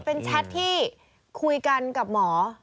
เป็นแชทที่คุยกันกับหมอ